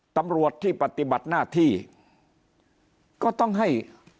ตำรวจที่ปฏิบัติหน้าที่ก็ต้องให้